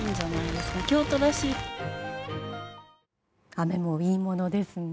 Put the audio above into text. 雨もいいものですね。